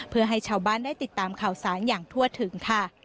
เพื่อให้ชาวบ้านได้ติดตามข่าวสารอย่างทั่วถึงค่ะ